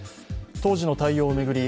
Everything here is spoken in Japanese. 当時の対応を巡り